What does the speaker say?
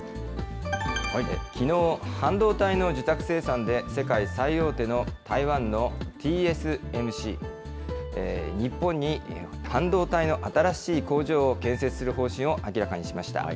きのう、半導体の受託生産で、世界最大手の台湾のＴＳＭＣ、日本に半導体の新しい工場を建設する方針を明らかにしました。